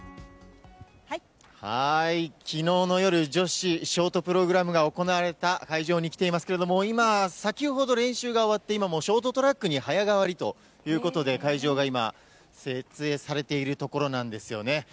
きのうの夜、女子ショートプログラムが行われた会場に来ていますけれども、今、先ほど練習が終わって今もう、ショートトラックに早変わりということで、会場が今、設営されているところなんですよね。